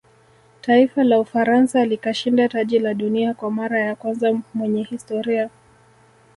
taifa la ufaransa likashinda taji la dunia kwa mara ya kwanza mwenye historia